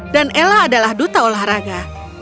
dan ella adalah duta olahraga